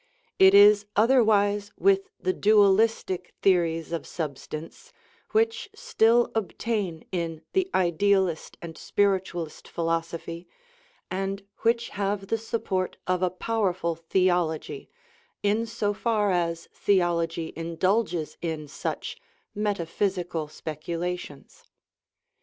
It is otherwise with the dualistic theories of substance which still obtain in the idealist and spiritualist philosophy, and which have the sup port of a powerful theology, in so far as theology in dulges in such metaphysical speculations.